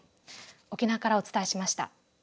沖縄からお伝えしました。